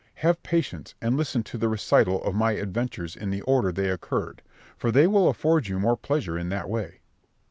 Have patience and listen to the recital of my adventures in the order they occurred, for they will afford you more pleasure in that way.